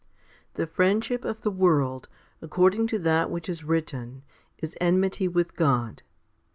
1. THE friendship of the world, according to that which is written, is enmity with God.